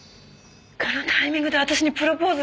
このタイミングで私にプロポーズ！？